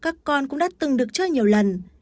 các con cũng đã từng được chơi nhiều lần